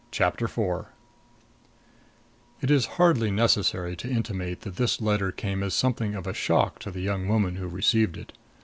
CHAPTER IV It is hardly necessary to intimate that this letter came as something of a shock to the young woman who received it.